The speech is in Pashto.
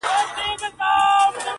سم داسي ښكاري راته!!